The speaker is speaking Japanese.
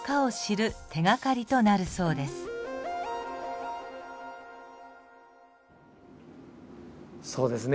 そうですね